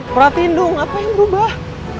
perhatiin dong apa yang berubah